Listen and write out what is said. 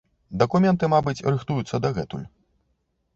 Дакументы, мабыць, рыхтуюцца дагэтуль.